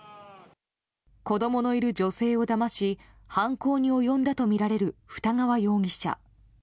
子供のいる女性をだまし犯行に及んだとみられる二川容疑者。